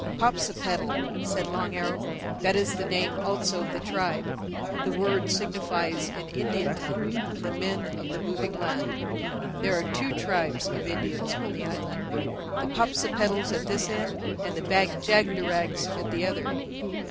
"Popsipetel," said Long Arrow. "That is the name also of the tribe. The word signifies in Indian tongue, The Men of The Moving Land. There are two tribes of Indians on the island: the Popsipetels at this end and the Bag jagderags at the other."